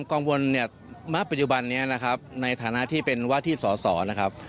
กังวลมาปัจจุบันนี้นะครับในฐานะที่เป็นวาทิสสนะครับ